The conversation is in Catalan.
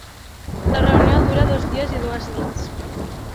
La reunió dura dos dies i dues nits.